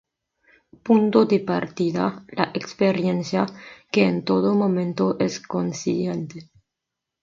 Punto de partida: La experiencia, que en todo momento es consciente.